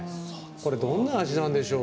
これ、どんな味なんでしょう。